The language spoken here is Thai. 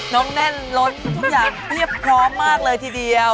แน่นล้นทุกอย่างเรียบพร้อมมากเลยทีเดียว